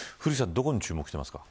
どこに注目してますか。